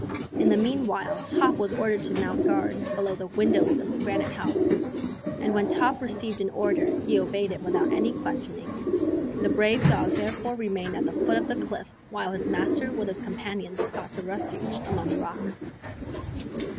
In the meanwhile Top was ordered to mount guard below the windows of Granite House, and when Top received an order he obeyed it without any questioning. The brave dog therefore remained at the foot of the cliff while his master with his companions sought a refuge among the rocks.